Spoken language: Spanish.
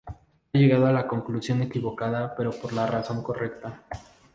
Ha llegado a la conclusión equivocada pero por la razón correcta".